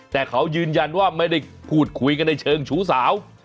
แต่เขายืนยันว่าไม่ได้พูดคุยกันในเชิงชู้สาว